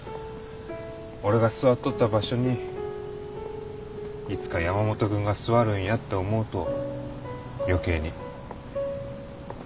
俺が座っとった場所にいつか山本君が座るんやと思うと余計に。